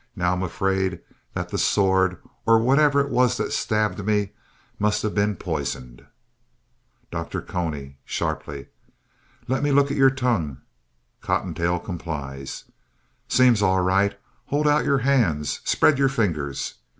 Now I'm afraid that the sword, or whatever it was that stabbed me, must have been poisoned. DR. CONY (sharply) Let me look at your tongue. (Cottontail complies.) Seems all right. Hold out your hands. Spread your fingers.